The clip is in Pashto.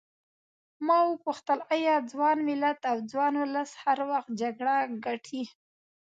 ما وپوښتل ایا ځوان ملت او ځوان ولس هر وخت جګړه ګټي.